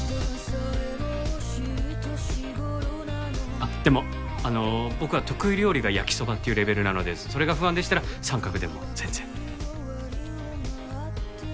あっでもあの僕は得意料理が焼きそばっていうレベルなのでそれが不安でしたらサンカクでも全然。